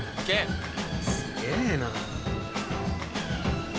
すげぇな。